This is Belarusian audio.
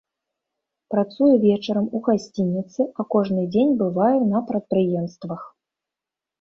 Працую вечарам у гасцініцы, а кожны дзень бываю на прадпрыемствах.